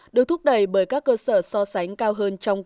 được thúc đẩy bởi các cơ sở so sánh cao hơn trong